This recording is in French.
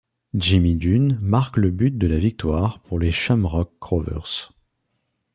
Jimmy Dunne marque le but de la victoire pour les Shamrock Rovers.